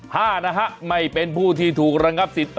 ห้านะฮะไม่เป็นผู้ที่ถูกระงับสิทธิ